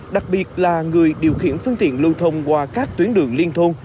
đặc biệt là người điều khiển phương tiện lưu thông qua các tuyến đường liên thôn